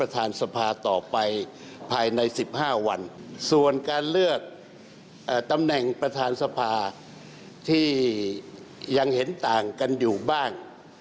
ตำแหน่งประธานสภาที่ยังเห็นต่างกันอยู่บ้าง